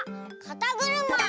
「かたぐるま」！